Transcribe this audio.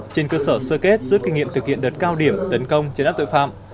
trên cơ sở sơ kết rút kinh nghiệm thực hiện đợt cao điểm tấn công chấn áp tội phạm